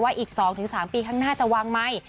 ว่าอีก๒๓ปีข้างหน้าจะวางเมล้ง